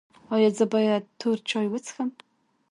ایا زه باید تور چای وڅښم؟